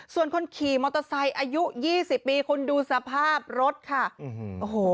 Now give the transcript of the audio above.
ส่วนคนขี่มอเตอร์ไซค์อายุยี่สิบปีคุณดูสภาพรถค่ะโอ้โห